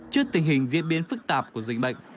trước tình hình diễn biến phức tạp của dịch bệnh